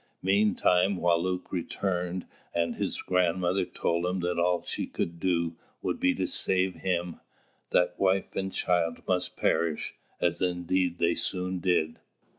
Meantime Wālūt returned, and his grandmother told him that all she could do, would be to save him; that wife and child must perish, as indeed they soon did.